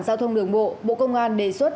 giao thông đường bộ bộ công an đề xuất